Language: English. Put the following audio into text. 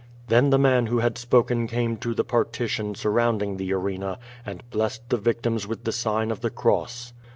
Then the man who had spoken came to the partition sur rounding the arena, and blessed the victims with the sign of the cross.